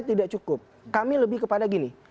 tidak cukup kami lebih kepada gini